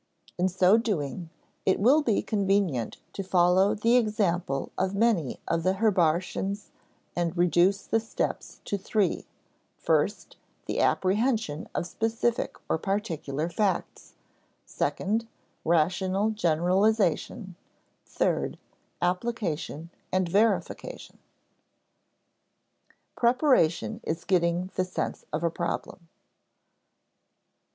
In so doing, it will be convenient to follow the example of many of the Herbartians and reduce the steps to three: first, the apprehension of specific or particular facts; second, rational generalization; third, application and verification. [Sidenote: Preparation is getting the sense of a problem] I.